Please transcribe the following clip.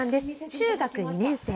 中学２年生。